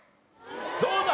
どうだ？